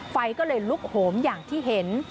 ไฟก็เลยลุกโหมอย่างที่เห็น